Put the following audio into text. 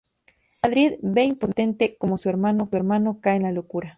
En Madrid ve impotente como su hermano cae en la locura.